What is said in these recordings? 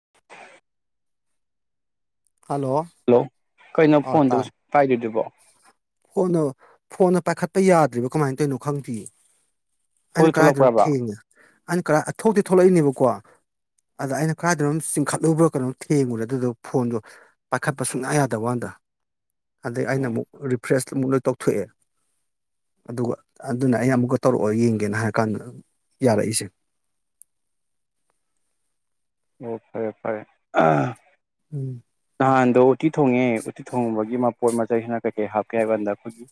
[inaudible] Hello hello ꯀꯩꯅꯣ ꯐꯣꯟꯗꯨꯕꯨ ꯄꯥꯏꯗꯣꯏꯗꯨꯔꯤꯕꯣ ꯆꯠ ꯌꯥꯗ꯭ꯔꯦꯔꯤꯕ ꯀꯃꯥꯏꯅ ꯇꯧꯔꯤꯅꯣ ꯈꯪꯗ ꯑꯩꯅ ꯊꯣꯛꯇꯤ ꯀꯗꯅ ꯊꯣꯛꯂꯛꯄ꯭ꯔꯕ ꯊꯅ ꯑꯩꯅ ꯀꯔ ꯊꯣꯛꯇꯤ ꯊꯣꯛꯂꯛꯏꯅꯦꯕꯀꯣ ꯑꯗ ꯑꯩꯅ ꯀꯗꯥꯏꯗꯅꯣ ꯆꯤꯡꯈꯠꯂꯨꯕ꯭ꯔꯥ ꯀꯩꯅꯣꯝ ꯊꯦꯡꯉꯨꯔꯥ ꯑꯗꯨꯗ ꯐꯣꯟꯗꯣ ꯄꯥꯏꯈꯠꯄ ꯁꯨꯡꯌꯥ ꯌꯥꯗ ꯗꯋꯥꯗ ꯑꯗꯩ ꯑꯩꯅ ꯎꯝ ꯑꯃꯨꯛ ꯔꯤꯐ꯭ꯔꯦꯁ ꯑꯃꯨꯛ ꯂꯣꯏ ꯇꯧꯊꯣꯛꯑꯦ ꯑꯗꯨꯒ ꯑꯗꯨꯅ ꯑꯩ ꯑꯃꯨꯛꯀ ꯇꯧꯔꯛꯑꯣ ꯌꯦꯡꯒꯦꯅ ꯍꯥꯏꯔꯀꯥꯟꯗ ꯌꯥꯔꯛꯏꯁꯦ ꯑꯣ ꯐꯔꯦ ꯐꯔꯦ ꯎꯝ ꯅꯍꯥꯟꯗꯣ ꯎꯠꯇꯤ ꯊꯣꯡꯉꯦ ꯎꯠꯇꯤ ꯊꯣꯡꯕꯒꯤ ꯃꯄꯣꯠ ꯃꯆꯩꯁꯤꯅ ꯀꯩꯀꯩ ꯍꯥꯞꯀꯦ ꯍꯥꯏꯕ ꯀꯥꯟꯗ ꯑꯩꯈꯣꯏꯒꯤ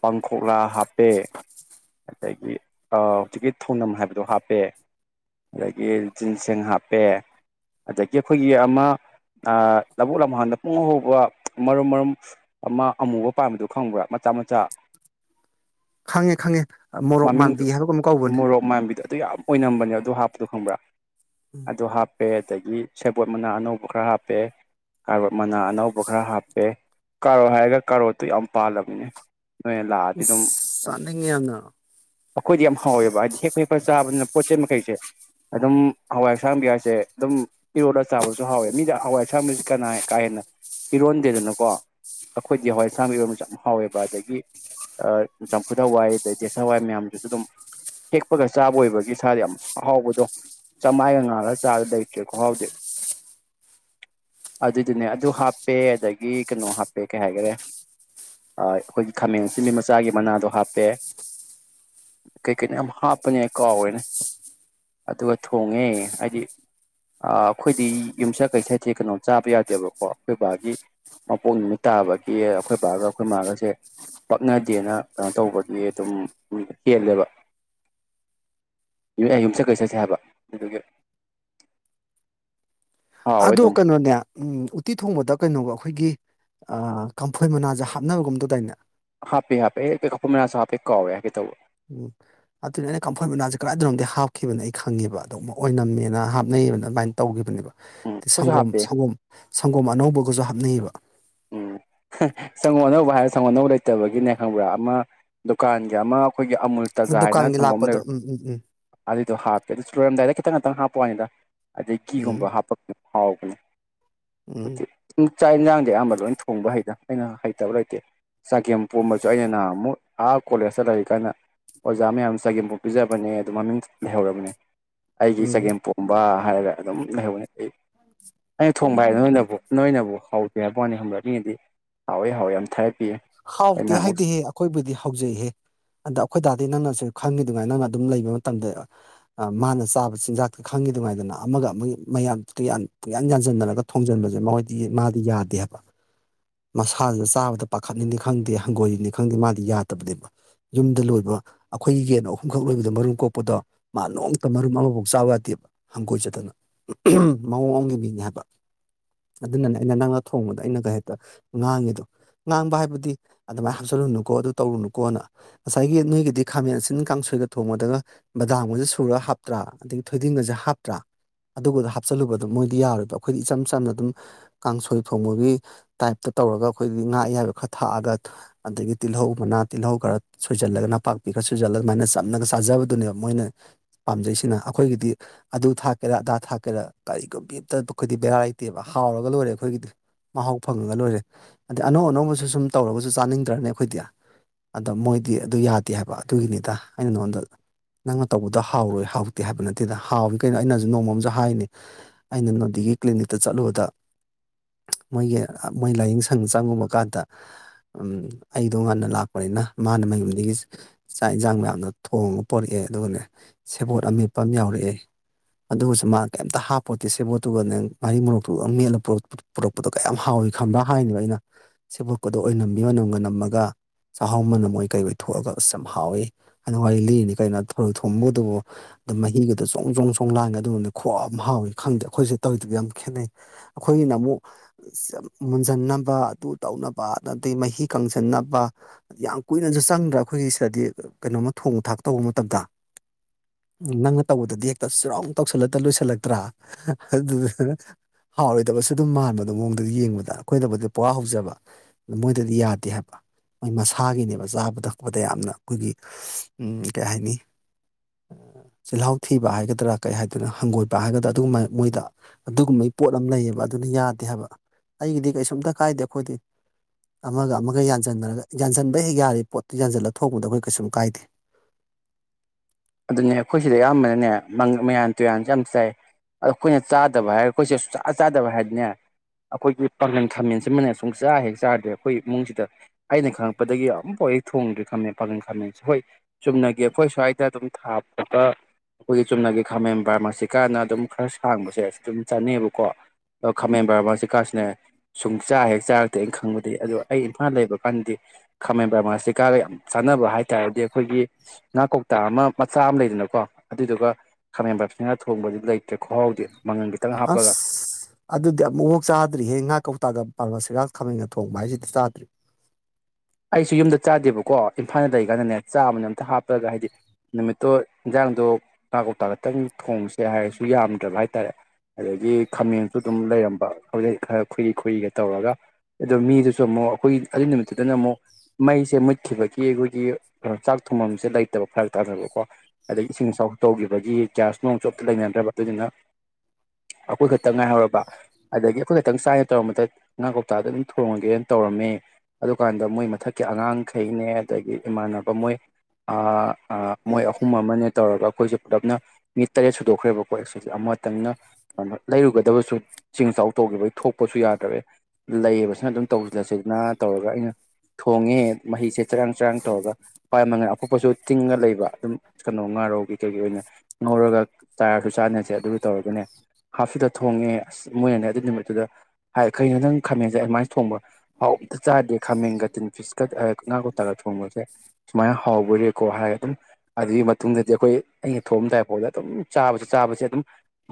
ꯄꯥꯡꯈꯣꯛꯂꯥ ꯍꯥꯞ ꯑꯦ ꯑꯗꯒꯤ ꯍꯧꯖꯤꯛꯀꯤ ꯊꯧꯅꯝ ꯍꯥꯏꯕꯗꯣ ꯍꯥꯞꯄꯦ ꯑꯗꯒꯤ ꯖꯤꯟꯁꯦꯡ ꯍꯥꯞꯄ ꯄꯦ ꯑꯗꯒꯤ ꯑꯩꯈꯣꯏꯒꯤ ꯑꯃ ꯑ ꯂꯕꯨꯔꯃꯍꯥꯟꯗ ꯄꯣꯡ ꯑ ꯍꯧꯕ ꯃꯔꯨꯝ ꯃꯔꯨꯝ ꯑꯃ ꯑꯃꯨꯕ ꯄꯥꯟꯕꯗꯨꯣ ꯈꯪꯕ꯭ꯔꯥ ꯃꯆꯥ ꯃꯆꯥ ꯈꯪꯉꯦ ꯈꯪꯉꯦ ꯃꯣꯔꯣꯛ ꯃꯃꯤꯡꯗꯣ ꯃꯥꯟꯕꯤ ꯍꯥꯏꯕꯒꯨꯝꯝ ꯀꯧꯕꯅꯤ ꯃꯣꯔꯣꯛ ꯃꯥꯟꯕꯤꯗꯣ ꯑꯗꯨ ꯌꯥꯝ ꯑꯣꯏꯅꯝꯕꯅꯦ ꯑꯗꯨ ꯍꯥꯞꯄꯗꯣ ꯈꯪꯕ꯭ꯔꯥ ꯑꯗꯨ ꯍꯥꯞ ꯍꯥꯞꯄꯦ ꯑꯗꯒꯤ ꯁꯦꯕꯣꯠ ꯃꯅꯥ ꯑꯅꯧꯕ ꯈꯔ ꯍꯥꯞꯄꯦ ꯀꯥꯔꯔꯕꯣꯠ ꯃꯅꯥ ꯑꯅꯧꯕ ꯈꯔ ꯍꯥꯞꯄꯦ ꯀꯥꯔꯣ ꯍꯥꯏꯔꯒ ꯀꯥꯔꯣꯠꯇꯣ ꯌꯥꯝ ꯄꯥꯜꯂꯕꯅꯦ ꯅꯣꯏꯅ ꯂꯥꯛꯑꯗꯤ ꯆꯥꯟꯅꯤꯡꯉ ꯌꯥꯉ ꯄꯈꯣꯏꯗꯤ ꯌꯥꯝꯦꯝ ꯍꯥꯎꯣꯏꯕ ꯍꯦꯛ ꯍꯦꯛꯄ ꯆꯥꯅꯤꯅ ꯄꯣꯠ ꯆꯩ ꯃꯈꯩꯁꯦ ꯑꯦꯗꯝꯝ ꯍꯋꯥꯏ ꯌꯦꯟꯁꯥꯡꯕꯤꯌꯥꯁꯦ ꯑꯗꯨꯝ ꯏꯔꯣꯗ ꯆꯥꯕꯁꯨ ꯍꯥꯎꯋꯦ ꯃꯤꯗ ꯍꯋꯥꯏ ꯏꯁꯥꯕꯁꯤ ꯀꯅꯥ ꯀꯥ ꯍꯦꯟꯅ ꯏꯔꯣꯟꯗꯦꯗꯅꯀꯣ ꯑꯩꯈꯣꯏꯗꯤ ꯍꯋꯥꯏ ꯁꯥꯡꯕꯤ ꯏꯔꯣꯟꯕꯁꯨ ꯌꯥꯝ ꯍꯥꯎꯋꯦꯕ ꯑꯗꯒꯤ ꯆꯝꯐꯨꯗ ꯍꯋꯥꯏ ꯑꯗꯩ ꯗꯦꯁ ꯍꯋꯥꯏ ꯃꯌꯥꯝꯗꯨꯁꯨ ꯑꯗꯨꯝ ꯍꯦꯛꯄꯒ ꯆꯥꯕ ꯑꯣꯏꯕꯒꯤ ꯏꯁꯥꯗ ꯌꯥꯝ ꯍꯥꯎꯕꯗꯣ ꯆꯛꯃꯥꯏꯗ ꯉꯜꯂꯒ ꯉꯔ ꯆꯥꯔ ꯂꯩꯇ꯭ꯔꯦ ꯈꯍꯥꯎꯗꯦ ꯑꯗꯨꯏꯗꯨꯅꯦ ꯑꯗꯨ ꯍꯥꯞꯄꯦ ꯑꯗꯒꯤ ꯀꯩꯅꯣ ꯍꯥꯞꯄꯦ ꯀꯩ ꯍꯥꯏꯈꯔꯦ ꯑꯩꯈꯣꯏꯒꯤ ꯈꯥꯃꯦꯟ ꯑꯁꯤꯤꯟꯕꯤ ꯃꯆꯥꯒꯤ ꯃꯅꯥꯗꯣ ꯍꯥꯞꯄꯦ ꯀꯩ ꯀꯩꯅꯣ ꯌꯥꯝ ꯍꯥꯞꯄꯅꯦ ꯀꯥꯎꯔꯦꯅꯦ ꯑꯗꯨꯒ ꯊꯣꯡꯉꯦ ꯍꯥꯏꯗꯤ ꯑꯩꯈꯣꯏꯗꯤ ꯌꯨꯝꯁꯀꯩ ꯁꯩꯠꯇꯦ ꯀꯩꯅꯣ ꯆꯥꯕ ꯌꯥꯗꯦꯕꯀꯣ ꯑꯩꯈꯣꯏ ꯕꯥꯒꯤ ꯃꯄꯣꯛ ꯅꯨꯃꯤꯠ ꯇꯥꯕꯒꯤ ꯑꯩꯈꯣꯏ ꯕꯥꯒ ꯑꯩꯈꯣꯏ ꯃꯥꯒꯁꯦ ꯄꯛꯅꯗꯦꯅ ꯀꯩꯅꯣ ꯇꯧꯕꯒꯤ ꯑꯗꯨꯝ ꯍꯦꯜꯂꯦꯕ ꯌꯨꯝꯁꯩꯀꯩ ꯁꯩꯠꯁꯦ ꯍꯥꯏꯕ ꯑꯗꯨꯒꯤ ꯍꯥꯎꯋꯦ ꯑꯗꯣ ꯑꯗꯨꯝ ꯀꯩꯅꯣꯅꯦ ꯎꯝ ꯎꯠꯇꯤ ꯊꯣꯡꯕꯗ ꯀꯩꯅꯣꯒ ꯑꯩꯈꯣꯏꯒꯤ ꯀꯝꯐꯣꯏ ꯃꯅꯥꯁꯦ ꯍꯥꯞꯅꯕꯒꯨꯝ ꯇꯧꯗꯥꯏꯅꯦ ꯍꯥꯄꯦ ꯍꯥꯄꯦ ꯀꯄꯑꯣꯏ ꯃꯅꯁꯥ ꯍꯥꯄꯦ ꯀꯥꯎꯋꯥꯋ ꯌꯥ ꯀꯦ ꯇꯧꯕ ꯎꯝ ꯑꯗꯨꯅꯦ ꯑꯩꯅ ꯀꯝꯐꯣꯏ ꯃꯅꯥꯁꯦ ꯀꯗꯥꯏꯗꯅꯣꯝꯗꯤ ꯍꯥꯞꯈꯤꯕꯅ ꯑꯩ ꯈꯪꯉꯦꯕ ꯑꯗꯨ ꯑꯣꯏꯅꯝꯃꯦꯅ ꯍꯥꯞꯅꯩꯕꯅ ꯑꯗꯨꯃꯥꯏꯅ ꯇꯧꯈꯤꯕꯅꯦꯕ ꯎꯝ ꯑꯩꯈꯣꯏꯁꯨ ꯁꯪꯒꯣꯝ ꯍꯥꯞꯄꯦ ꯁꯪꯒꯣꯝ ꯁꯪꯒꯣꯝ ꯑꯅꯧꯕꯧꯕꯒꯖꯨ ꯅꯕ [unintelligible] [unintelligible] ꯐꯠꯇꯕꯒꯤꯅꯦ ꯈꯪꯕ꯭ꯔꯥ ꯑꯃ ꯗꯨꯀꯥꯟꯒꯤ ꯑꯃ ꯑꯩꯈꯣꯏꯒꯤ ꯑꯃꯨꯜ ꯇꯖꯥ ꯍꯥꯏꯅ ꯗꯨꯀꯥꯟꯒꯤ ꯁꯪꯒꯣꯝ ꯑꯃ ꯂꯥꯛꯄꯗꯣ ꯂꯩꯕ ꯎꯝ ꯎꯝ ꯑꯗꯨꯏꯗꯣ ꯍꯥꯞꯄꯦ ꯑꯗꯨ ꯂꯣꯏꯔꯝꯗꯥꯏꯗ ꯈꯥꯠꯇ ꯈꯥꯠꯇ ꯍꯥꯄꯋ꯭ꯅꯤꯗ ꯑꯗꯩ ꯘꯤꯒꯨꯝꯕ ꯎꯝ ꯍꯥꯞꯄ [unintelligible] ꯎꯝ ꯎꯝ ꯆꯥꯛ ꯏꯟꯁꯥꯡꯗꯤ ꯑꯌꯥꯝꯕ ꯂꯣꯏ ꯊꯣꯡꯕ ꯍꯩꯇꯦ ꯑꯩꯅ ꯍꯩꯇꯕ ꯂꯩꯇꯦ ꯆꯒꯦꯝ ꯄꯣꯝꯕꯁꯨ ꯑꯩꯅ ꯅꯍꯥꯟ ꯑꯃꯨꯛ ꯑꯥ ꯀꯣꯂꯦꯖꯇ ꯂꯩꯔꯤ ꯀꯥꯟꯗ ꯑꯣꯖꯥ ꯃꯌꯥꯝ ꯆꯒꯦꯝ ꯄꯣꯝ ꯄꯤꯖꯕꯅꯦ ꯑꯗꯨ ꯃꯃꯤꯡ ꯂꯩꯍꯧꯔꯕꯅꯦ ꯑꯩꯒꯤ ꯎꯝ ꯆꯒꯦꯝ ꯄꯣꯝꯕ ꯍꯥꯏꯔꯒ ꯑꯗꯨꯝ ꯂꯩꯍꯧꯅꯤ ꯑꯩ ꯑꯩꯅ ꯊꯣꯡꯕ ꯍꯥꯏꯔꯦ ꯅꯣꯏꯅꯕꯨ ꯅꯣꯏꯅꯕꯨ ꯍꯧꯗꯦ ꯍꯥꯏꯕ ꯋꯥꯅꯤ ꯍꯧꯗꯛꯔꯤꯉꯩꯗꯤ ꯍꯥꯎꯋꯦ ꯍꯥꯎꯏ ꯌꯥꯝ ꯊꯥꯏꯠ ꯍꯥꯎꯇꯦ ꯍꯥꯏꯗꯤꯍꯦ ꯑꯈꯣꯏꯕꯨꯗꯤ ꯍꯥꯎꯖꯩꯍꯦ ꯑꯗ ꯑꯈꯣꯏ ꯗꯥꯗꯤ ꯅꯪꯅꯁꯨ ꯈꯪꯉꯤꯗꯨꯉꯥꯏ ꯅꯪꯅ ꯑꯗꯨꯝ ꯂꯩꯕ ꯃꯇꯝꯗ ꯑ ꯃꯥꯅ ꯆꯥꯕ ꯆꯤꯟꯖꯥꯛꯇ ꯈꯪꯉꯤꯗꯨꯉꯥꯏꯗꯅ ꯑꯃꯒ ꯑꯃꯒꯤ ꯃꯌꯥꯝ ꯇꯨꯌꯥꯟ ꯄꯨꯡꯌꯥꯟ ꯌꯥꯟꯖꯟꯅꯔꯒ ꯊꯣꯡꯖꯤꯟꯕꯖꯦ ꯃꯣꯏꯗꯤ ꯃꯥꯗꯤ ꯌꯥꯗꯦ ꯍꯥꯏꯕ꯫ ꯃꯁꯥꯖꯤꯗ ꯆꯥꯕꯗ ꯄꯥꯛ ꯈꯠꯅꯤꯅꯤ ꯈꯪꯗꯦ ꯍꯪꯒꯣꯏꯔꯤꯅꯤ ꯈꯪꯗꯦ ꯃꯥꯗꯤ ꯌꯥꯗꯕꯅꯦꯕ ꯌꯨꯝꯗ ꯂꯣꯏꯕ ꯑꯈꯣꯏꯒꯤ ꯀꯩꯅꯣ ꯑꯍꯨꯝꯈꯛ ꯂꯣꯏꯕꯗ ꯃꯔꯨꯝ ꯀꯣꯛꯄꯗꯣ ꯃꯥ ꯅꯣꯡꯃꯇ ꯃꯔꯨꯝ ꯑꯃꯕꯨꯛ ꯆꯥꯎ ꯌꯥꯗꯦꯕ ꯍꯪꯒꯣꯏꯖꯗꯅ꯫ ꯃꯑꯣꯡ ꯑꯃꯒꯤ ꯃꯤꯅꯤ ꯍꯥꯏꯕ꯫ ꯑꯗꯨꯅꯅꯦ ꯑꯩꯅ ꯅꯪꯅ ꯊꯣꯡꯕꯗ ꯑꯩꯅ ꯀ ꯍꯦꯛꯇ ꯉꯥꯡꯉꯤꯗꯣ꯫ ꯉꯥꯡꯕ ꯍꯥꯏꯕꯗꯤ ꯑꯗꯨꯃꯥꯏ ꯍꯥꯞꯆꯜꯂꯨꯅꯨꯀꯣ ꯑꯗꯨ ꯇꯧꯔꯨꯅꯨꯀꯣꯅ꯫ ꯉꯁꯥꯏꯒꯤ ꯅꯣꯏꯒꯤꯗꯤ ꯈꯥꯃꯦꯟ ꯑꯁꯤꯟ ꯀꯥꯡꯁꯣꯏꯒ ꯊꯣꯡꯉꯗꯒ ꯕꯗꯥꯝꯒꯖꯦ ꯁꯨꯔ ꯍꯥꯞꯇ꯭ꯔꯥ ꯑꯗꯒꯤ ꯊꯣꯏꯗꯤꯡꯒꯖꯦ ꯍꯥꯞꯇ꯭ꯔꯥ ꯑꯗꯨꯒꯗꯣ ꯍꯥꯞꯆꯜꯂꯨꯕꯗꯣ ꯃꯣꯏꯗꯤ ꯌꯥꯔꯣꯏꯕ ꯑꯈꯣꯏꯗꯤ ꯏꯆꯝ ꯆꯝꯅ ꯑꯗꯨꯝ ꯀꯥꯡꯁꯣꯏ ꯊꯣꯡꯕꯒꯤ ꯇꯥꯏꯞꯇ ꯇꯧꯔꯒ ꯑꯈꯣꯏꯒꯤ ꯉꯥ ꯑꯌꯥꯏꯕ ꯈꯔ ꯊꯥꯛꯑꯒ ꯑꯗꯒꯤ ꯇꯤꯜꯍꯧ ꯃꯅꯥ ꯇꯤꯜꯍꯧ ꯈꯔ ꯁꯣꯏꯖꯜꯂꯒ ꯅꯄꯥꯛꯄꯤ ꯈꯔ ꯁꯣꯏꯖꯜꯂꯒ ꯑꯗꯨꯃꯥꯏꯅ ꯆꯝꯅꯒ ꯆꯥꯖꯕꯗꯨꯅꯦꯕ ꯃꯣꯏꯅ ꯄꯥꯝꯖꯩꯁꯤꯅ ꯑꯈꯣꯏꯒꯤꯗꯤ ꯑꯗꯨ ꯊꯥꯛꯀꯦꯔꯥ ꯑꯗꯥ ꯊꯥꯛꯀꯦꯔꯥ ꯀꯔꯤꯒꯨꯝꯕꯤ ꯑꯝꯇ ꯑꯈꯣꯏꯗꯤ ꯕꯦꯔꯥ ꯂꯩꯇꯦꯕ ꯍꯥꯎꯔꯒ ꯂꯣꯏꯔꯦ ꯑꯈꯣꯏꯒꯤꯗꯤ ꯃꯍꯥꯎ ꯐꯪꯉꯒ ꯂꯣꯏꯔꯦ꯫ ꯑꯗꯩ ꯑꯅꯧ ꯑꯅꯧꯕꯁꯨ ꯁꯨꯝ ꯇꯧꯔꯒꯁꯨ ꯆꯥꯅꯤꯡꯗ꯭ꯔꯅꯦ ꯑꯈꯣꯏꯗꯤ? ꯑꯗ ꯃꯣꯏꯗꯤ ꯑꯗꯨ ꯌꯥꯗꯦ ꯍꯥꯏꯕ ꯑꯗꯨꯒꯤꯅꯤꯗꯥ ꯑꯩꯅ ꯅꯉꯣꯟꯗ ꯅꯪꯅ ꯇꯧꯕꯗꯣ ꯍꯥꯎꯔꯣꯏ ꯍꯥꯎꯇꯦ ꯍꯥꯏꯕ ꯅꯠꯇꯦꯗ ꯍꯥꯎꯋꯤ ꯀꯩꯅꯣ ꯑꯩꯅꯖꯨ ꯅꯣꯡꯃꯝꯖꯨ ꯍꯥꯏꯅꯦ ꯑꯩꯅ ꯅꯨꯡꯇꯤꯒꯤ ꯀ꯭ꯂꯤꯅꯤꯛꯇ ꯆꯠꯂꯨꯕꯗ ꯃꯣꯏꯒꯤ ꯑ ꯃꯣꯏ ꯂꯥꯏꯌꯦꯡꯁꯪ ꯍꯪ ꯆꯪꯉꯨꯝꯕ ꯀꯥꯟꯗ ꯎꯝ ꯑꯩꯗꯣ ꯉꯟꯅ ꯂꯥꯛꯄꯅꯤꯅ ꯃꯥꯅ ꯃꯌꯨꯝꯗꯒꯤ ꯆꯥꯛ ꯢꯟꯖꯥꯡ ꯃꯌꯥꯝꯗꯣ ꯊꯣꯡꯉ ꯄꯣꯔꯛꯑꯦ ꯑꯗꯨꯒꯅꯦ ꯁꯦꯕꯣꯠ ꯑꯃꯦꯠꯄ ꯑꯝ ꯌꯥꯎꯔꯛꯑꯦ ꯑꯗꯨꯒꯁꯨ ꯃꯥꯅ ꯀ꯭ꯌꯝꯇ ꯍꯥꯞꯄꯣꯠꯇꯦ ꯁꯦꯕꯣꯠꯇꯨꯒ ꯅꯦꯡ ꯉꯥꯔꯤ ꯃꯣꯔꯣꯛꯇꯨꯒ ꯃꯦꯠꯂ ꯄꯨꯔꯛ ꯄꯨꯔꯛꯄꯗꯣ ꯀꯌꯥꯝ ꯍꯥꯎꯋꯤ ꯈꯪꯕ꯭ꯔꯥ꯫ ꯍꯥꯏꯅꯦꯕ ꯑꯩꯅ ꯁꯦꯕꯣꯠꯀꯗꯣ ꯑꯣꯏꯅꯝꯕꯤ ꯑꯣꯏꯅꯝꯒ ꯅꯝꯃꯒ ꯆꯥꯛꯍꯥꯎ ꯃꯅꯝꯑꯣꯏ ꯀꯩ ꯑꯣꯏ ꯊꯣꯛꯑꯒ ꯑꯁ ꯌꯥꯝ ꯍꯥꯎꯋꯤ ꯑꯗꯨ ꯋꯥꯔꯤ ꯂꯤꯔꯤꯅꯤ ꯀꯩꯅꯣ ꯊꯔꯣꯏ ꯊꯣꯡꯕꯕꯨꯗꯨꯕꯨ ꯑꯗꯨꯝ ꯃꯍꯤꯒꯗꯣ ꯆꯣꯡ ꯆꯣꯡ ꯆꯣꯡ ꯂꯥꯡꯒ ꯑꯗꯨꯒꯅꯦ ꯈꯨꯋꯥꯎ ꯑꯝ ꯍꯥꯎꯋꯤ ꯈꯪꯗꯦ ꯑꯈꯣꯏꯖꯨ ꯇꯧꯔꯤꯗꯨꯒ ꯌꯥꯝ ꯈꯦꯠꯅꯩ꯫ ꯑꯈꯣꯏꯒꯤꯅ ꯑꯃꯨꯛ ꯃꯨꯟꯖꯟꯅꯕ ꯑꯗꯨ ꯇꯧꯅꯕ ꯑꯗꯩ ꯃꯍꯤ ꯀꯪꯁꯟꯅꯕ ꯌꯥꯝ ꯀꯨꯏꯅꯖꯨ ꯆꯪꯗ꯭ꯔꯥ ꯑꯈꯣꯏꯒꯤ ꯁꯤꯗꯗꯤ ꯀꯩꯅꯣꯝꯃ ꯊꯣꯡ ꯊꯥꯛ ꯇꯧꯕ ꯃꯇꯝꯗ꯫ ꯅꯪꯅ ꯇꯧꯕꯗꯗꯤ ꯍꯦꯛꯇ ꯆ꯭ꯔꯣꯡ ꯇꯧꯁꯤꯜꯂ ꯍꯦꯛꯇ ꯂꯣꯏꯁꯤꯜꯂꯛꯇ꯭ꯔꯥ ꯑꯗꯨꯗꯨꯅ ꯍꯥꯎꯔꯣꯏꯗꯕꯁꯨ ꯑꯗꯨꯝ ꯃꯥꯟꯕꯗꯣ ꯃꯋꯣꯡꯗꯗ ꯌꯦꯡꯕꯗ꯫ ꯑꯈꯣꯏꯗꯕꯨꯗꯤ ꯄꯋꯥ ꯍꯧꯖꯕ, ꯃꯣꯏꯗꯗꯤ ꯌꯥꯗꯦ ꯍꯥꯏꯕ ꯃꯣꯏ ꯃꯁꯥꯒꯤꯅꯦꯕ ꯆꯥꯕ ꯊꯛꯄꯗ ꯌꯥꯝꯅ ꯑꯈꯣꯏꯒꯤ ꯎꯝ ꯀꯩꯍꯥꯏꯅꯤ ꯎꯝ ꯆꯤꯜꯍꯥꯎ ꯊꯤꯕ ꯍꯥꯏꯒꯗ꯭ꯔꯥ ꯀꯩ ꯍꯥꯏꯗꯨꯅꯣ ꯍꯪꯒꯣꯏꯕ ꯍꯥꯏꯒꯗ꯭ꯔꯥ ꯑꯗꯨꯒꯨꯝꯃꯥꯢ ꯃꯣꯏꯗ ꯑꯗꯨꯒꯨꯝꯕꯒꯩ ꯄꯣꯠ ꯑꯝ ꯂꯩꯌꯦꯕ ꯑꯗꯨꯅ ꯌꯥꯗꯦ ꯍꯥꯏꯕ꯫ ꯑꯩꯒꯤꯗꯤ ꯀꯩꯁꯨꯝꯇ ꯀꯥꯏꯗꯦ ꯑꯈꯣꯏꯗꯤ꯫ ꯑꯃꯒ ꯑꯃꯒ ꯌꯥꯟꯖꯟꯅꯔꯒ ꯌꯥꯟꯖꯟꯕ ꯍꯦꯛ ꯌꯥꯔꯦ ꯄꯣꯠꯇꯨ ꯌꯥꯟꯖꯤꯜꯂ ꯊꯣꯡꯕꯗ ꯑꯈꯣꯏ ꯀꯩꯁꯨꯝ ꯀꯥꯏꯗꯦ꯫ ꯑꯗꯨꯅꯦ ꯑꯩꯈꯣꯏ ꯁꯤꯗ ꯑꯌꯥꯝꯕꯅꯅꯦ ꯃꯌꯥꯟ ꯇꯨꯌꯥꯟꯁꯨꯦ ꯌꯥꯝ ꯆꯥꯏ ꯑꯗꯣ ꯑꯩꯈꯣꯏꯅ ꯆꯥꯗꯕ ꯍꯥꯏꯔꯒ ꯑꯩꯈꯣꯏꯁꯦ ꯁꯨꯡ ꯆꯥꯛ ꯆꯥꯗꯕ ꯍꯥꯏꯔꯗꯤꯅꯦ ꯑꯩꯈꯣꯏꯒꯤ ꯄꯥꯒꯜ ꯈꯥꯃꯦꯟꯁꯤꯃꯅꯦ ꯁꯨꯡ ꯆꯥ ꯍꯦꯛ ꯆꯥꯗ꯭ꯔꯦ ꯑꯩꯈꯣꯏ ꯏꯃꯨꯡꯁꯤꯗ ꯑꯩꯅ ꯈꯪꯉꯛꯄꯗꯒꯤ ꯑꯃꯨꯐꯥꯎ ꯍꯦꯛ ꯊꯣꯡꯗ꯭ꯔꯤ ꯈꯥꯃꯦꯩ ꯄꯥꯒꯜ ꯈꯥꯃꯦꯟꯁꯦ ꯍꯣꯏ ꯆꯨꯝꯅꯒꯤ ꯑꯩꯈꯣꯏ ꯁ꯭ꯋꯥꯏꯗ ꯑꯗꯨꯝ ꯊꯥ ꯐꯥꯎꯒ ꯑꯩꯈꯣꯏꯒꯤ ꯆꯨꯝꯅꯒꯤ ꯈꯥꯃꯦꯟ ꯕꯔꯃꯥꯁꯤꯀꯥꯅ ꯑꯗꯨꯝ ꯈꯔ ꯁꯥꯡꯕꯁꯦ ꯑꯗꯨꯝ ꯆꯥꯅꯩꯕꯀꯣ ꯑꯗꯣ ꯈꯥꯃꯦꯟ ꯕꯥꯔꯃꯥꯁꯤꯤꯀꯥꯁꯤꯅ ꯁꯨꯡ ꯆꯥꯛ ꯍꯦꯛ ꯆꯥꯔꯛꯇꯦ ꯑꯩꯅ ꯈꯪꯕꯗꯒꯤ ꯑꯗꯣ ꯑꯩ ꯏꯝꯐꯥꯜ ꯂꯩꯕ ꯀꯥꯟꯗꯗꯤ ꯈꯥꯃꯦꯟ ꯕꯔꯃꯥꯁꯤꯀꯥꯒ ꯌꯥꯝ ꯆꯥꯅꯕ ꯍꯥꯏꯇꯥꯥꯔꯗꯤ ꯑꯩꯈꯣꯏꯒꯤ ꯉꯥ ꯀꯧꯇꯥ ꯑꯃ ꯃꯆꯥ ꯑꯃ ꯂꯩꯗꯅꯀꯣ ꯑꯗꯨꯏꯗꯨꯒ ꯈꯥꯃꯦꯟ ꯄꯁꯤꯅ ꯊꯣꯡꯕꯗꯤ ꯂꯩꯇ꯭ꯔꯦ ꯈꯍꯥꯎ ꯅꯤꯗꯤ ꯑꯁ ꯑꯗꯨꯗꯤ ꯑꯃꯨꯛꯐꯥꯎ ꯆꯥꯗ꯭ꯔꯤ ꯍꯦ ꯉꯥ ꯀꯧ ꯇꯥꯒ ꯄꯥꯔꯕꯁꯤꯒ ꯈꯥꯃ‌ꯦꯟꯒ ꯊꯣꯡꯕ ꯍꯥꯏꯁꯤꯗꯤ ꯆꯥꯗ꯭ꯔꯤ ꯑꯩꯁꯨ ꯌꯨꯝꯗ ꯆꯥꯗꯦꯕꯀꯣ ꯏꯝꯐꯥꯜꯗ ꯂꯩꯀꯥꯟꯗꯅꯦ ꯆꯥꯕꯅꯦ ꯑꯝꯇ ꯍꯥꯞꯄꯒ ꯍꯥꯏꯗꯤ ꯅꯨꯃꯤꯠꯇꯣ ꯏꯟꯖꯥꯡꯗꯣ ꯉꯥ ꯀꯣꯛꯇꯥ ꯈꯛꯇꯪ ꯊꯣꯡꯁꯦ ꯍꯥꯏꯔꯁꯨ ꯌꯥꯝꯗ꯭ꯔꯕ ꯍꯥꯏꯇꯥꯔꯦ ꯑꯗꯒꯤ ꯈꯥꯃꯦꯟꯁꯨ ꯑꯗꯨꯝ ꯂꯩꯔꯝꯕ ꯍꯧꯖꯤꯛ ꯈꯔ ꯈꯔꯤ ꯈ ꯈꯨꯔꯤꯒ ꯇꯧꯔꯒ ꯑꯗ ꯃꯤꯗꯨꯁꯨ ꯑꯃꯨꯛ ꯑꯩꯈꯣꯏ ꯑꯗꯨꯒꯤ ꯅꯨꯃꯤꯠꯇꯨꯗꯅ ꯑꯃꯨꯛ ꯃꯩꯁꯦ ꯃꯨꯠꯈꯤꯕꯒꯤ ꯑꯩꯈꯣꯏꯒꯤꯣ ꯆꯥꯛ ꯊꯣꯡꯐꯝꯁꯦ ꯂꯩꯇꯕ ꯐꯔꯛ ꯇꯥꯗꯕꯀꯣ ꯑꯗꯒꯤ ꯏꯁꯤꯡ ꯏꯆꯥꯎ ꯇꯧꯈꯤꯕꯒꯤ ꯒ꯭ꯌꯥꯁ ꯅꯣꯡ ꯆꯣꯞꯇ ꯂꯩꯅꯗ꯭ꯔꯕ ꯑꯗꯨꯗꯨꯅ ꯑꯩꯈꯣꯏ ꯈꯛꯇꯪ ꯉꯥꯏꯍꯧꯔꯕ ꯑꯗꯒꯤ ꯑꯩꯈꯣꯏ ꯈꯛꯇꯪ ꯆꯥꯏꯅ ꯇꯧꯔꯝꯕꯗ ꯉꯥ ꯀꯧꯇꯥꯗ ꯑꯗꯨꯝ ꯊꯣꯡꯉꯒꯦꯅ ꯇꯧꯔꯝꯃꯦ ꯑꯗꯨꯀꯥꯟꯗ ꯃꯣꯏ ꯃꯊꯛꯀꯤ ꯑꯉꯥꯡꯈꯩꯅꯦ ꯑꯗꯒꯤ ꯏꯃꯥꯟꯅꯕ ꯃꯣꯏ ꯃꯣꯏ ꯑꯍꯨꯝ ꯑꯃꯅꯦ ꯇꯧꯔꯒ ꯑꯩꯈꯣꯏꯁꯦ ꯄꯨꯂꯞꯅ ꯃꯤ ꯇꯔꯦꯠ ꯁꯨꯗꯣꯛꯈ꯭ꯔꯦꯕꯀꯣ ꯑꯃꯇꯪꯅ ꯂꯩꯔꯨꯒꯗꯕꯁꯨ ꯆꯤꯡꯆꯥꯎ ꯇꯧꯈꯤꯕꯒꯤ ꯊꯣꯛꯄꯁꯨ ꯌꯥꯗꯕꯦ ꯂꯩꯌꯦꯕꯁꯤꯅ ꯑꯗꯨꯝ ꯇꯧꯁꯤꯜꯂꯁꯤꯗꯅ ꯇꯧꯔꯒ ꯑꯩꯅ ꯊꯣꯡꯉꯦ ꯃꯍꯤꯁꯦ ꯆꯔꯥꯡ ꯆꯔꯥꯡ ꯇꯧꯔꯒ ꯄ ꯃꯒꯅ ꯑꯐꯨꯞꯞꯄꯁꯨ ꯇꯤꯡꯉ ꯂꯩꯕ ꯑꯗꯨꯝ ꯀꯩꯅꯣ ꯉꯥꯔꯧꯒꯤ ꯀꯩꯒꯤ ꯑꯣꯏꯅ ꯉꯧꯔꯒ ꯇꯥꯏꯌꯥꯔꯁꯨ ꯆꯥꯅꯁꯦ ꯑꯗꯨ ꯇꯧꯔꯒꯅꯦ ꯍꯥꯞꯇꯗ ꯊꯣꯡꯉꯦ ꯑꯁ ꯃꯣꯏꯅꯅꯦ ꯑꯗꯨꯒꯤ ꯅꯨꯃꯤꯠꯇꯨꯗ ꯍꯥꯏ ꯀꯣ ꯅꯪ ꯈꯥꯃꯦꯟꯁꯦ ꯑꯦꯗꯨꯃꯥꯏ ꯊꯣꯡꯕ ꯍꯥꯎ ꯑꯝꯇ ꯆꯥꯗꯦ ꯈꯥꯃꯦꯟꯒ ꯇꯤꯟ ꯐꯤꯁꯀꯠ ꯉꯥ ꯀ ꯇꯥꯔ ꯊꯣꯡꯕꯁꯦ ꯁꯨꯃꯥꯏꯅ ꯍꯥꯎꯧꯕꯔꯦꯀꯣ ꯍꯥꯏꯔ ꯑꯗꯨꯝ ꯑꯗꯨꯒꯤ ꯃꯇꯨꯡꯗꯗꯤ ꯑꯩꯈꯣꯏ ꯑꯩꯅ ꯊꯣꯡꯑꯝꯗꯥꯏꯐꯥꯎꯗ ꯑꯗꯨꯝ ꯆꯥꯁꯦ ꯆꯥꯕꯁꯦ ꯑꯗꯨꯝ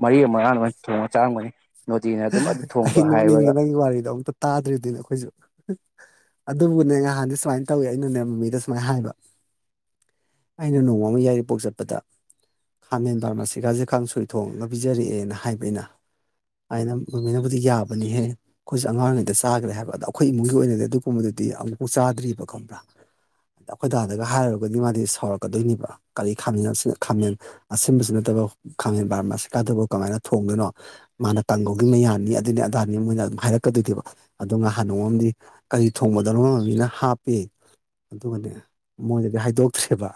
ꯃꯔꯤ ꯑꯃꯥꯡꯅ ꯊꯣꯡꯉ ꯆꯥꯔꯝꯒꯅꯤ ꯅꯣꯗꯤꯅ ꯑꯗꯨꯝ ꯑꯩ ꯊꯣꯡꯕ ꯍꯥꯏꯕ ꯅꯣꯛꯅꯤꯡꯉꯦ ꯅꯪꯒꯤ ꯋꯥꯔꯤꯗꯣ ꯑꯨꯛꯇ ꯇꯥꯗ꯭ꯔꯤꯕꯗꯨꯅꯦ ꯑꯩꯈꯣꯏꯁꯨ ꯑꯗꯨꯕꯨꯅꯦ ꯅꯍꯥꯟꯗꯤ ꯁꯨꯃꯥꯏꯅ ꯇꯧꯋꯦ ꯑꯩꯅꯅꯦ ꯃꯃꯤꯗ ꯁꯨꯃꯥꯏꯅ ꯍꯥꯏꯕ ꯑꯩꯅ ꯅꯣꯡꯃ ꯌꯥꯏꯔꯤꯄꯣꯛ ꯆꯠꯄꯗ ꯈꯥꯃꯦꯟ ꯄꯕꯥꯔꯃꯥꯁꯤ ꯈꯥꯖꯤ ꯈ ꯁꯣꯏ ꯊꯣꯡ ꯂꯧꯕ ꯄꯤꯖꯔꯛꯑꯦꯅ ꯍꯥꯏꯕ ꯑꯩꯅ ꯑꯩꯅ ꯈꯥꯃꯟꯅꯕꯨꯗꯤ ꯌꯥꯕꯅꯤꯍꯦ ꯑꯩꯈꯣꯏꯁꯨ ꯑꯉꯥꯡ ꯑꯣꯏꯔꯤꯉꯩꯗ ꯆꯥꯈ꯭ꯔꯦ ꯍꯥꯏꯕ ꯑꯗ ꯑꯩꯈꯣꯏ ꯏꯃꯨꯡꯒꯤ ꯑꯣꯏꯅꯗꯤ ꯑꯗꯨꯒꯨꯝꯕꯗꯨꯗꯤ ꯑꯃꯨꯛꯐꯥꯎ ꯆꯥꯗ꯭ꯔꯤꯕ ꯈꯪꯕ꯭ꯔꯥ ꯑꯩꯈꯣꯏꯗꯥꯗꯒ ꯍꯥꯏꯔꯨꯔꯒꯗꯤ ꯃꯥꯗꯤ ꯁꯥꯎꯔꯛꯀꯗꯣꯏꯅꯦꯕ ꯀꯔꯤ ꯈꯥꯃꯦꯟ ꯈꯥꯃꯦꯟ ꯑꯁꯤꯟꯕꯁꯨ ꯅꯠꯇꯕ ꯈꯥꯃꯦꯟ ꯕꯥꯔꯝꯕ ꯑꯁꯤꯀꯥꯗꯕ ꯀꯃꯥꯏꯅ ꯊꯣꯡꯗꯅꯣ ꯃꯥꯅ ꯇꯒꯧ ꯑꯗꯨꯪꯅ ꯌꯥꯅꯤ ꯑꯗꯨꯅꯤ ꯑꯗꯥꯅꯤ ꯃꯣꯏꯅ ꯑꯗꯨꯝ ꯍꯥꯏꯔꯛꯀꯗꯣꯏꯗꯕ ꯑꯗꯣ ꯅꯍꯥꯟ ꯅꯣꯡꯝꯗꯤ ꯀꯔꯤ ꯊꯣꯡꯒꯗꯧꯅꯝꯕꯅꯤꯅ ꯍꯥꯞꯄꯦ ꯑꯗꯨꯒꯅꯦ ꯃꯣꯏꯗꯗꯤ ꯍꯥꯏꯗꯣꯛꯇ꯭ꯔꯦꯕ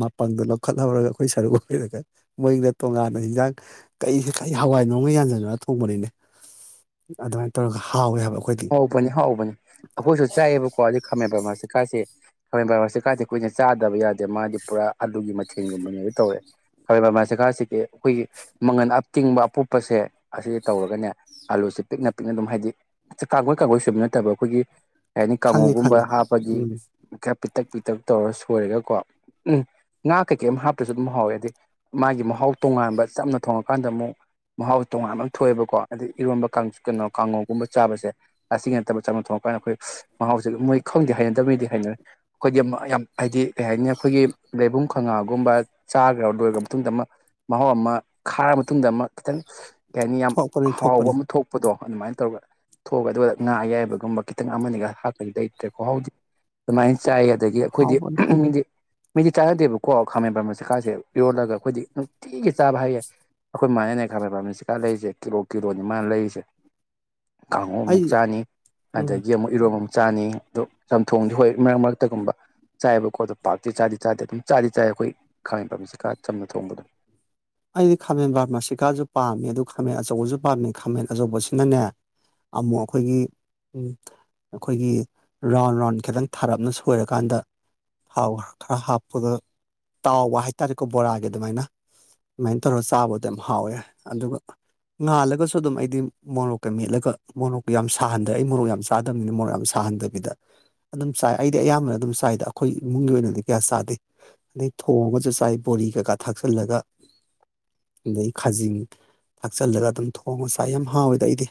ꯃꯄꯪꯗꯣ ꯂꯧꯈꯠꯍꯧꯔꯒ ꯑꯩꯈꯣꯏ ꯁꯔꯨꯛ ꯑꯣꯏꯔꯒ ꯃꯣꯏꯗ ꯇꯣꯉꯥꯟꯅ ꯍꯤꯟꯖꯥꯡ ꯀꯩ ꯀ ꯍꯋꯥꯏ ꯅꯣꯡꯃ ꯌꯥꯟꯖꯟꯅ ꯍꯣꯡꯕꯅꯤꯅꯦ ꯑꯗꯨꯃꯥꯏꯅ ꯇꯧꯔꯒ ꯍꯥꯎꯋꯦ ꯍꯥꯏꯕ ꯑꯩꯈꯣꯏꯗꯤ ꯍꯧꯕꯅꯤ ꯍꯧꯕꯅꯤ ꯑꯩꯈꯣꯏꯁꯨ ꯆꯥꯏꯑꯦꯕꯀꯣ ꯑꯗꯨ ꯈꯝꯃꯦꯕ ꯃꯥ ꯆꯀꯥꯁꯦ ꯈꯥꯋꯥꯦꯝ ꯕꯥꯕꯥ ꯆꯦꯀꯥꯗꯤ ꯑꯩꯈꯣꯏꯅ ꯆꯥꯗꯕ ꯌꯥꯗꯦ ꯃꯥꯗꯤ ꯄꯨꯔꯥ ꯑꯥꯂꯨꯒꯤ ꯃꯊꯦꯜꯒꯨꯝꯕꯅꯦꯣ ꯇꯧꯔꯦ ꯈꯥꯋꯥꯃꯦꯟꯕꯥ꯭ꯔꯕꯥ ꯆꯦꯀꯥꯁꯤꯒꯤ ꯑꯩꯈꯣꯏꯒꯤ ꯃꯪꯒꯜ ꯑꯞꯇꯤꯡꯕ ꯑꯄꯨꯞꯞꯄꯁꯦ ꯑꯁꯤꯗ ꯇꯧꯔꯒꯅꯦ ꯑꯂꯨꯁꯦ ꯄꯤꯛꯅ ꯄꯤꯛꯅ ꯑꯗꯨꯝ ꯍꯥꯏꯗꯤ ꯀꯥꯡꯒꯣꯏ ꯀꯥꯡꯒꯣꯏ ꯁꯣꯏꯕ ꯅꯠꯇꯕ ꯑꯩꯈꯣꯏꯒꯤ ꯍꯥꯏꯅꯤ ꯈꯪꯉꯤ ꯀꯥꯡꯃꯨꯒꯨꯝꯕ ꯈꯪꯉꯤ ꯍꯥꯞꯄꯒꯤ ꯎꯝ ꯄꯤꯛꯇꯛ ꯄꯤꯛꯇꯛ ꯇꯧꯔ ꯁꯣꯏꯔꯒꯀꯣ ꯎꯝ ꯉꯥ ꯀꯩꯀꯩ ꯑꯃ ꯍꯥꯞꯄꯁꯨ ꯑꯗꯨꯝ ꯍꯥꯎꯋꯦ ꯍꯥꯏꯗꯤ ꯃꯥꯒꯤ ꯃꯍꯥꯎ ꯇꯣꯉꯥꯟꯕ ꯆꯝꯅ ꯊꯣꯡꯉꯀꯥꯟꯗ ꯑꯃꯨꯛ ꯃꯍꯥꯎ ꯇꯣꯉꯥꯟꯕ ꯑꯃ ꯊꯣꯛꯑꯦꯕꯀꯣ ꯑꯗꯩ ꯏꯔꯣꯟꯝꯕ ꯀꯥꯡ ꯀꯩꯅꯣ ꯀꯥꯡꯉꯣꯒꯨꯝꯕ ꯆꯥꯕꯁꯦ ꯂꯥꯁꯇꯤꯡ ꯅꯠꯇꯕ ꯆꯥꯅ ꯊꯣꯡꯉꯀꯥꯟꯗ ꯑꯩꯈꯣꯏ ꯃꯍꯥꯎꯁꯦ ꯃꯣꯏ ꯈꯪꯗꯦ ꯍꯩꯅꯗꯕꯅꯤꯗꯤ ꯍꯩꯅꯔꯦ ꯑꯩꯈꯣꯏꯗꯤ ꯌꯥꯝ ꯍꯥꯏꯗꯤ ꯀꯩ ꯍꯥꯏꯅꯤ ꯑꯩꯈꯣꯏꯒꯤ ꯂꯩꯕꯨꯡ ꯈꯥꯉꯥꯒꯨꯝꯕ ꯆꯥꯈ꯭ꯔꯕ ꯂꯣꯏꯈ꯭ꯔ ꯃꯇꯨꯡꯗ ꯑꯃ ꯃꯍꯥꯎ ꯑꯃ ꯈꯥꯔ ꯃꯇꯨꯡꯗ ꯑꯃꯨ ꯈꯤꯇꯪ ꯀꯩ ꯍꯥꯏꯅꯤ ꯌꯥꯝ ꯊꯣꯛꯄꯅꯤ ꯍꯥꯎꯕ ꯊꯣꯛꯄꯅꯤ ꯑꯃ ꯊꯣꯛꯄꯗꯣ ꯑꯗꯨꯃꯥꯏꯅ ꯇꯧꯔꯒ ꯊꯣꯛꯑꯒ ꯑꯗꯨꯒ ꯉꯥ ꯑꯌꯥꯏꯕꯒꯨꯝꯕ ꯈꯤꯇꯪ ꯑꯃꯅꯤꯒ ꯍꯥꯞꯄꯗꯤ ꯂꯩꯇ꯭ꯔꯦꯀꯣ ꯍꯥꯎꯗꯤ ꯑꯗꯨꯃꯥꯏꯅ ꯆꯥꯏ ꯑꯗꯒꯤ ꯑꯩꯈꯣꯏꯗꯤ ꯍꯥꯎꯕꯅꯤ ꯃꯤꯗꯤ ꯃꯤꯗꯤ ꯆꯥꯅꯗꯦꯕꯀꯣ ꯈꯥꯃꯦꯟ ꯄꯝꯕꯟ ꯆꯤꯀꯥꯁꯦ ꯌꯣꯜꯂꯒ ꯑꯩꯈꯣꯏꯗꯤ ꯅꯨꯡꯊꯤꯒꯤ ꯆꯥꯕ ꯍꯥꯏꯌꯦꯏ ꯑꯩꯈꯣꯏ ꯃꯃꯅꯅꯦ ꯈꯥꯃꯦꯟ ꯄꯝꯕꯟ ꯆꯤꯀꯥ ꯂꯩꯔꯤꯁꯦ ꯀꯤꯂꯣ ꯀꯤꯂꯣꯅꯤ ꯃꯥꯅ ꯂꯩꯔꯤꯁꯦ ꯀꯥꯡꯉꯧ ꯑꯩ ꯑꯃꯨꯛ ꯆꯥꯅꯤ ꯎꯝ ꯑꯗꯒꯤ ꯑꯃꯨꯛ ꯏꯔꯣꯝ ꯑꯃꯨ ꯆꯥꯅꯤ ꯑꯗꯣ ꯆꯝꯊꯣꯡꯗꯤ ꯍꯣꯏ ꯃꯔꯛ ꯃꯔꯛꯇꯒꯨꯝꯕ ꯆꯥꯏꯑꯕꯀꯣ ꯑꯗꯣ ꯄꯥꯛꯇꯤ ꯆꯥꯗꯤ ꯆꯥꯗꯦ ꯑꯗꯨꯝ ꯆꯥꯗꯤ ꯆꯥꯏ ꯑꯩꯈꯣꯏ ꯈꯥꯃ‌ꯦꯟꯐꯝꯁꯦ ꯈꯥ ꯆꯝꯅ ꯊꯣꯡꯕ ꯑꯗꯨꯝ ꯑꯩꯗꯤ ꯈꯥꯃꯦꯟ ꯕꯔꯃꯥꯁꯤꯀꯥꯁꯨ ꯄꯥꯝꯃꯦ ꯑꯗꯨ ꯈꯥꯃꯦꯟ ꯑꯆꯧꯕꯁꯨ ꯄꯥꯝꯃꯦ ꯈꯥꯃꯦꯟ ꯑꯆꯧꯕꯁꯤꯅꯅꯦ ꯑꯃꯨꯛ ꯑꯩꯈꯣꯏꯒꯤ ꯑꯩꯈꯣꯏꯒꯤ ꯔꯥꯎꯟ ꯔꯥꯎꯟ ꯈꯤꯇꯪ ꯊꯥꯔꯞꯅ ꯁꯣꯏꯔꯀꯥꯟꯗ ꯊꯥꯎ ꯈꯔ ꯈꯔ ꯍꯥꯞꯄꯒ ꯇꯥꯎꯕ ꯍꯥꯏꯇꯥꯥꯔꯦꯀꯣ ꯕꯣꯔꯥꯒꯤ ꯑꯗꯨꯃꯥꯏꯅ ꯁꯨꯃꯥꯏꯅ ꯇꯧꯔꯒ ꯆꯥꯕꯗ ꯌꯥꯝ ꯍꯥꯎꯋꯦ ꯑꯗꯨꯒ ꯉꯥꯜꯂꯒꯁꯨ ꯑꯗꯨꯝ ꯑꯩꯗꯤ ꯃꯣꯔꯣꯛꯀ ꯃꯦꯠꯂꯒ ꯃꯣꯔꯣꯛꯀ ꯌꯥꯝ ꯁꯥꯍꯟꯗ꯭ꯔꯦ ꯑꯩ ꯃꯣꯔꯣꯛ ꯌꯥꯝ ꯆꯥꯗꯕꯅꯤꯅ ꯃꯣꯔꯣꯛ ꯌꯥꯝ ꯁꯥꯍꯟꯗꯕꯤꯗ ꯑꯗꯨꯝ ꯆꯥꯏ ꯑꯩꯗꯤ ꯑꯌꯥꯝꯕꯅ ꯑꯗꯨꯝ ꯆꯥꯏꯗ ꯑꯩꯈꯣꯏ ꯏꯃꯨꯡꯒꯤ ꯑꯣꯏꯅꯗꯤ ꯀꯌꯥ ꯆꯥꯗꯦ ꯑꯗꯩ ꯊꯣꯡꯉꯒꯁꯨ ꯆꯥꯏ ꯕꯣꯔꯤ ꯀꯩꯀꯥ ꯊꯥꯛꯆꯜꯂꯒ ꯑꯗꯗꯒꯤ ꯈꯥꯖꯤꯡ ꯊꯥꯛꯆꯜꯂꯒ ꯑꯗꯨꯝ ꯊꯣꯡꯉꯁꯥꯏ ꯌꯥꯝ ꯍꯥꯎꯋꯤꯗ ꯑꯩꯗꯤ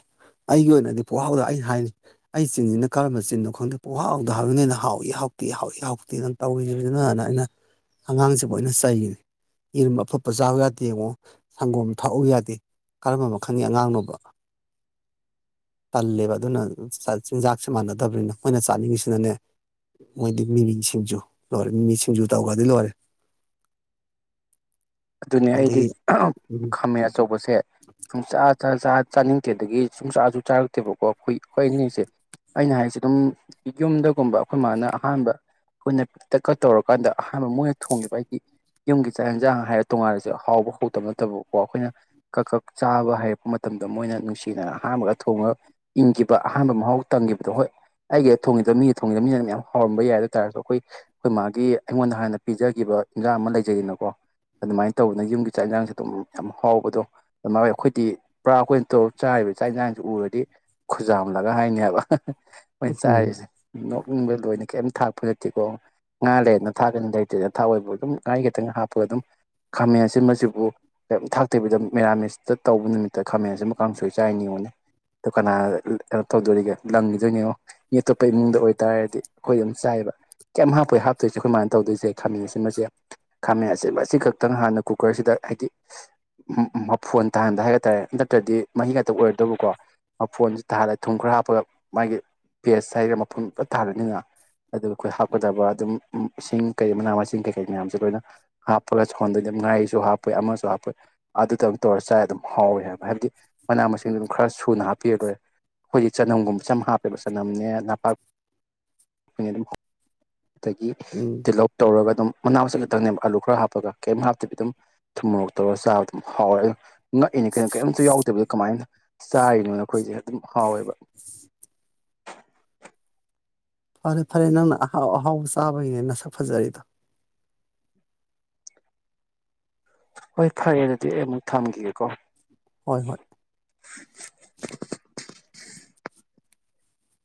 ꯑꯩꯒꯤ ꯑꯣꯏꯅꯗꯤ ꯄꯨꯍꯥꯎꯗ ꯑꯩꯅ ꯍꯥꯏꯅꯤ ꯑꯩ ꯆꯤꯟꯁꯤꯅ ꯀꯔꯝꯕ ꯆꯤꯟꯅꯣ ꯈꯪꯗꯦ ꯄꯨꯍꯥꯎꯗ ꯍꯥꯏꯕꯅꯤꯅ ꯍꯥꯎꯏ ꯍꯥꯎꯇꯤ ꯍꯥꯎꯏ ꯍꯥꯎꯇꯦ ꯑꯗꯨ ꯇꯧꯏꯅꯤ ꯑꯗꯨꯅꯅ ꯑꯩꯅ ꯑꯉꯥꯡꯁꯤꯕꯨꯩꯅ ꯆꯩꯈꯤꯅꯤ ꯏꯔ ꯑꯐ ꯄꯨꯖ ꯌꯥꯗꯦ ꯌꯦꯡꯉꯣ ꯁꯪꯒꯣꯝ ꯊꯛꯎ ꯌꯥꯗꯦ ꯀꯔꯝꯕ ꯃꯈꯜꯒꯤ ꯑꯉꯥꯡꯅꯣꯕ ꯇꯜꯂꯦꯕ ꯑꯗꯨꯅ ꯆꯤꯟꯖꯥꯛꯁꯦ ꯃꯥꯟꯅꯗꯕꯅꯤꯅ ꯃꯣꯏꯅ ꯆꯥꯅꯤꯡꯉꯤꯁꯤꯅꯅꯦ ꯃꯣꯏꯗꯤ ꯃꯤꯃꯤ ꯁꯤꯡꯖꯨ ꯂꯣꯏꯔꯦ ꯃꯤꯃꯤ ꯁꯤꯡꯖꯨ ꯇꯧꯈ꯭ꯔꯗꯤ ꯂꯣꯏꯔꯦ ꯑꯗꯨꯅꯦ ꯑꯩꯗꯤ ꯑꯗꯒꯤ ꯎꯝ ꯈꯥꯝꯃꯦ ꯑꯆꯧꯕꯁꯦ ꯄꯨꯡꯆꯥꯥ ꯥꯛ ꯆꯥ ꯆꯥꯅꯤꯡꯗꯦꯗꯒꯤ ꯁꯨꯝ ꯆꯥꯁꯨ ꯆꯥꯔꯛꯇꯦꯕꯀꯣ ꯑꯩꯈꯣꯏ ꯑꯩꯈꯣꯏ ꯑꯅꯤꯡꯁꯦ ꯑꯩꯅ ꯍꯥꯏꯔꯤꯁꯦ ꯑꯗꯨꯝ ꯌꯨꯝꯗꯒꯨꯝꯕ ꯑꯩꯈꯣꯏ ꯃꯥꯅ ꯑꯍꯥꯟꯕ ꯑꯩꯈꯣꯏꯅ ꯄꯤꯛꯇꯀ ꯇꯧꯔꯀꯥꯟꯗ ꯑꯍꯥꯟꯕ ꯃꯣꯏꯅ ꯊꯣꯡꯉꯤꯕ ꯑꯩꯒꯤ ꯌꯨꯝꯒꯤ ꯆꯥꯛ ꯌꯦꯟꯖꯥꯡ ꯍꯥꯏꯔ ꯇꯣꯉꯥꯟꯔꯁꯦ ꯍꯥꯎꯕ ꯍꯧꯇꯕ ꯅꯠꯇꯕꯀꯣ ꯑꯩꯈꯣꯏꯅ ꯀꯛ ꯀꯛ ꯆꯥꯕ ꯍꯩꯔꯛꯄ ꯃꯇꯝꯗ ꯃꯣꯏꯅ ꯅꯨꯡꯁꯤꯅꯅ ꯑꯍꯥꯟꯕꯒ ꯊꯣꯡꯉꯒ ꯏꯪꯈꯤꯕ ꯑꯍꯥꯟꯕ ꯃꯍꯥꯎ ꯇꯪꯈꯤꯕꯗꯣ ꯍꯣꯏ ꯑꯩꯒꯤꯗ ꯊꯣꯡꯉꯤꯗꯕ ꯃꯤꯒꯤ ꯊꯣꯡꯉꯤꯗꯕ ꯃꯤꯅ ꯃꯌꯥꯝ ꯍꯥꯎꯔꯝꯕ ꯌꯥꯏ ꯑꯗꯨ ꯇꯥꯔꯁꯨ ꯑꯩꯈꯣꯏ ꯑꯩꯈꯣꯏ ꯃꯥꯒꯤ ꯑꯩꯉꯣꯟꯗ ꯍꯥꯟꯅ ꯄꯤꯖꯈꯤꯕ ꯏꯟꯖꯥꯡ ꯑꯃ ꯂꯩꯖꯩꯗꯅꯀꯣ ꯑꯗꯨꯃꯥꯏꯅ ꯇꯧꯗꯅ ꯌꯨꯝꯒꯤ ꯆꯥꯛ ꯌꯦꯟꯁꯥꯡꯁꯦ ꯑꯗꯨꯝ ꯌꯥꯝ ꯍꯥꯎꯕꯗꯣ ꯑꯗꯨ ꯃꯥ ꯑꯩꯈꯣꯏꯗꯤ ꯄꯨꯔꯥ ꯑꯩꯈꯣꯏꯅ ꯆꯥꯔꯤꯕ ꯆꯥꯛ ꯌꯦꯟꯁꯥꯡꯁꯤ ꯎꯔꯗꯤ ꯈꯨꯖꯥꯝꯂꯒ ꯍꯥꯏꯅꯤ ꯍꯥꯏꯕ ꯃꯣꯏ ꯎꯝ ꯆꯥꯏꯔꯤꯁꯦ ꯅꯣꯛꯅꯤꯡꯕ ꯂꯣꯏꯅ ꯀꯩꯝ ꯊꯥꯛꯄꯗ ꯀꯣ ꯉꯥ ꯂꯩꯔꯅ ꯊꯥꯛꯒꯅ ꯂꯩꯇꯦꯅ ꯊꯥꯛꯑꯣꯏꯕ ꯑꯗꯨꯝ ꯉꯥꯔꯤ ꯈꯛꯇꯪ ꯍꯥꯞꯄꯒ ꯑꯗꯨꯝ ꯈꯥꯃꯦꯟꯁꯤ ꯃꯁꯤꯕꯨ ꯀꯩꯝ ꯊꯥꯛꯇꯣꯏꯕꯤꯗ ꯃꯦꯔꯥꯃꯤꯁꯇ ꯇꯧꯕ ꯅꯨꯃꯤꯠꯇ ꯈꯥꯃꯦꯟꯁꯤꯃ ꯀꯥꯡ ꯁꯣꯏ ꯆꯥꯏ ꯅꯤꯉꯣꯅꯤ ꯑꯗꯨꯗ ꯀꯅꯥ ꯀꯩꯅꯣ ꯇꯧꯗꯣꯔꯤꯒꯦ ꯂꯪꯈꯤꯗꯣꯏꯅꯤꯉꯣ ꯃꯤ ꯑꯇꯣꯞꯄ ꯏꯃꯨꯡꯗ ꯑꯣꯏꯕꯇꯥꯔꯒꯗꯤ ꯑꯩꯈꯣꯏ ꯑꯗꯨꯝ ꯆꯥꯏꯑꯕ ꯀꯩꯝ ꯍꯥꯞꯄꯣꯏ ꯍꯥꯞꯇꯣꯏꯁꯦ ꯑꯩꯈꯣꯏꯃꯥꯏꯅ ꯇꯧꯗꯣꯏꯁꯦ ꯊꯝꯅꯁꯤꯃꯁꯦ ꯈꯥꯝꯦꯟꯁꯦꯕ ꯑꯁꯤꯈꯛ ꯈꯤꯇꯪ ꯍꯥꯟꯅ ꯀꯨꯀꯔꯁꯤꯗ ꯍꯥꯏꯗꯤ ꯃꯐꯣꯟ ꯇꯥꯍꯟꯕ ꯍꯥꯏꯒ ꯇꯥꯔꯦ ꯅꯠꯇ꯭ꯔꯗꯤ ꯃꯍꯤ ꯈꯛꯇ ꯑꯣꯏꯔꯣꯏꯗꯧꯕꯀꯣ ꯃꯐꯣꯟꯁꯤ ꯇꯥꯍꯜꯂꯒ ꯊꯨꯝ ꯈꯔ ꯍꯥꯞꯄꯒ ꯃꯥꯒꯤ ꯄꯦꯁ ꯍꯥꯏꯒꯔ ꯃꯐꯣꯟ ꯊꯥꯜꯂꯅꯤꯅ ꯑꯗꯨꯒ ꯑꯩꯈꯣꯏ ꯍꯥꯞꯀꯗꯕ ꯑꯗꯨꯝ ꯏꯁꯤꯡ ꯀꯩ ꯃꯅꯥ ꯃꯁꯤꯡ ꯀꯩꯀꯩ ꯃꯌꯥꯝꯁꯦ ꯂꯣꯏꯅ ꯍꯥꯞꯄꯒ ꯁꯣꯟꯗꯣꯏ ꯑꯗꯨ ꯉꯥꯔꯤꯁꯨ ꯍꯥꯞꯄꯣꯏ ꯑꯃꯁꯨ ꯍꯥꯞꯄꯣꯏ ꯑꯗꯨꯗ ꯑꯃꯨ ꯇꯧꯔ ꯆꯥꯏ ꯑꯗꯨꯝ ꯍꯥꯎꯋꯦ ꯍꯥꯏꯕ ꯍꯥꯏꯕꯗꯤ ꯃꯅꯥ ꯃꯁꯤꯡꯗ ꯑꯗꯨꯝ ꯈꯔ ꯁꯨꯅ ꯍꯥꯞꯄꯤꯔꯗꯣꯏ ꯑꯩꯈꯣꯏꯒꯤ ꯆꯅꯝꯒꯨꯝꯕ ꯆꯝ ꯍꯥꯞꯄꯦꯕ ꯆꯅꯝꯅꯦ ꯅꯄꯥꯛ ꯑꯩꯣꯏ ꯑꯗꯨꯝ ꯑꯗꯒꯤ ꯎꯝ ꯗꯤꯂꯣꯞ ꯇꯧꯔꯒ ꯑꯗꯨꯝ ꯃꯅꯥ ꯆꯠꯂꯛꯇꯪꯅꯦꯕ ꯑꯥꯂꯨ ꯈꯔ ꯍꯥꯞꯄꯒ ꯀꯩꯝ ꯍꯥꯞꯇꯕꯤ ꯑꯗꯨꯝ ꯊꯨꯝꯃ ꯇꯧꯔꯒ ꯆꯥꯕ ꯑꯗꯨꯝ ꯍꯥꯎꯔꯦ ꯑꯗꯨ ꯉꯛꯏꯅꯦ ꯀꯩꯅꯣ ꯀꯔꯤꯝꯇ ꯌꯥꯎꯗꯦꯕꯗ ꯀꯃꯥꯏꯅ ꯆꯥꯔꯤꯅꯣꯗ ꯑꯩꯈꯣꯏꯁꯦ ꯑꯗꯨꯝ ꯍꯥꯎꯋꯦꯕ ꯐꯔꯦ ꯐꯔꯦ ꯅꯪꯅ ꯑꯍꯥꯎ ꯑꯍꯥꯎꯕ ꯆꯥꯕꯒꯤꯅꯦ ꯅꯁꯛ ꯐꯖꯔꯤꯗꯣ ꯍꯣꯏ ꯐꯔꯦ ꯑꯗꯨꯗꯤ ꯑꯩ ꯑꯃꯨꯛ ꯊꯝꯈꯤꯒꯦꯀꯣ ꯍꯣꯏ ꯍꯣꯏ